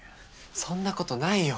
そんなことないよ。